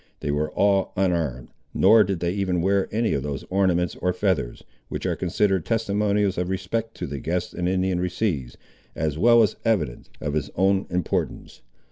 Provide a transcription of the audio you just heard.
They were all unarmed, nor did they even wear any of those ornaments or feathers, which are considered testimonials of respect to the guest an Indian receives, as well as evidence of his own importance.